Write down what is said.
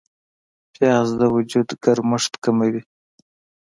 پیاز د وجود ګرمښت کموي